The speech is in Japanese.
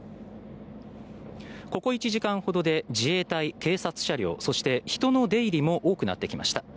ここ１時間ほどで自衛隊、警察車両そして、人の出入りも多くなってきました。